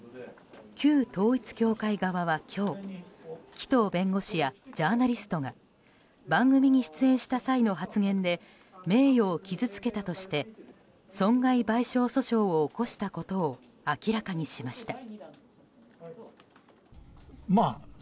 旧統一教会側は今日紀藤弁護士やジャーナリストが番組に出演した際の発言で名誉を傷つけたとして損害賠償訴訟を起こしたことを明らかにしました。